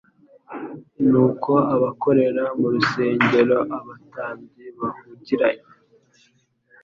Nuko abakorera mu rusengero, abatambyi bahugiranye,